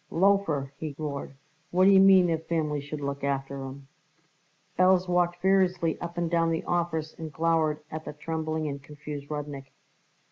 "Loafer!" he roared. "What d'ye mean, their families should look after 'em?" Belz walked furiously up and down the office and glowered at the trembling and confused Rudnik.